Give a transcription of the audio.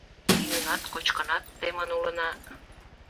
Йӱынат-кочкынат темын улына